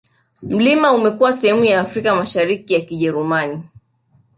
Mlima umekuwa sehemu ya Afrika ya Mashariki ya Kijerumani